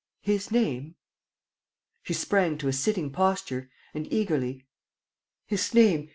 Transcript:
... His name. ..." She sprang to a sitting posture and, eagerly: "His name!